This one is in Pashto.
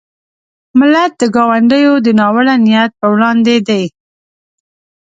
ملت د ګاونډیو د ناوړه نیت په وړاندې دی.